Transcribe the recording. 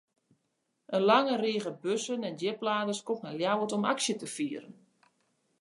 In lange rige bussen en djipladers komt nei Ljouwert om aksje te fieren.